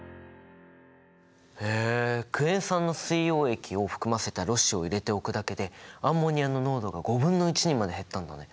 へえクエン酸の水溶液を含ませたろ紙を入れておくだけでアンモニアの濃度が５分の１にまで減ったんだね。